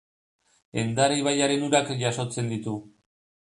Endara ibaiaren urak jasotzen ditu.